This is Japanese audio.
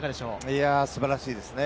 いや、すばらしいですね。